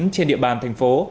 trên địa bàn thành phố